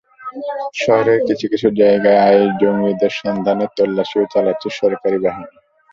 শহরের কিছু কিছু জায়গায় আইএস জঙ্গিদের সন্ধানে তল্লাশিও চালাচ্ছে সরকারি বাহিনী।